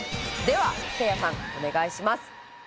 「ではせいやさんお願いします」